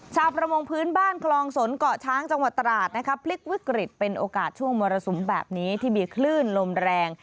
ประมงพื้นบ้านคลองสนเกาะช้างจังหวัดตราดนะคะพลิกวิกฤตเป็นโอกาสช่วงมรสุมแบบนี้ที่มีคลื่นลมแรง